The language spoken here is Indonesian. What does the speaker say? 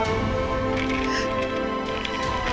dan saya melihat allah